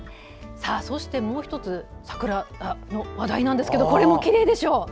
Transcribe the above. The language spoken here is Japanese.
そしてもう１つ桜の話題なんですがこれもきれいでしょう？